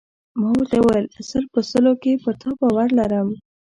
ما ورته وویل: سل په سلو کې پر تا باور لرم.